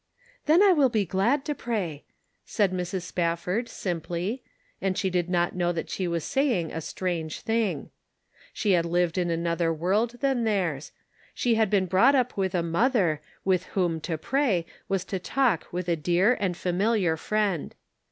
"Then I will be glad to pray," said Mrs. Spafford, simply, and she did k not know that she was saying a strange thing. She had Jived in another world than theirs ; she had been brought 'up with a mother, with whom to pray was to talk with a clear and familiar Friend.